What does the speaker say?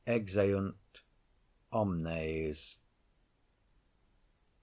_ [_Exeunt omnes.